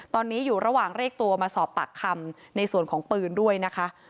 ตอนนี้อยู่ระหว่างเรียกตัวมาสอบปากคำในส่วนของปืนด้วยนะคะ